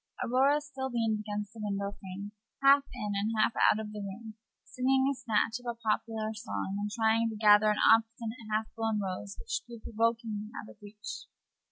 Aurora still leaned against the window frame, half in and half out of the room, singing a snatch of a popular song, and trying to gather an obstinate half blown rose which grew provokingly out of reach.